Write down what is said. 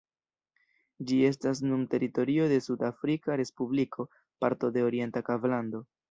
Ĝi estas nun teritorio de Sud-Afrika Respubliko, parto de Orienta Kablando.